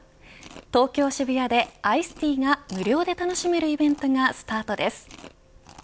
東京、渋谷でアイスティーが無料で楽しめるイベントがスタートです。